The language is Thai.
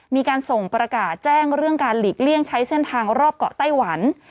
มีการส่งประกาศแจ้งเรื่องการหลีกเลี่ยงใช้เส้นทางรอบเกาะไต้หวัน